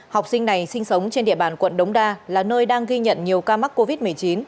học sinh này sinh sống trên địa bàn quận đống đa là nơi đang ghi nhận nhiều ca mắc covid một mươi chín